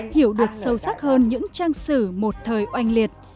hiểu được sâu sắc hơn những trang sử một thời oanh liệt